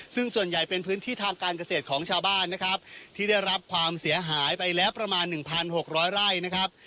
ซึ่งส่วนใหญ่เป็นพื้นที่ทางการเกษตรของชาวบ้านนะครับที่ได้รับความเสียหายไปแล้วประมาณ๑๖๐๐ไร่นะครับ